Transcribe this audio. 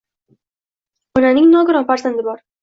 Onaning nogiron farzandi bor